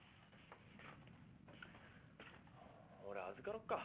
俺預かろっか？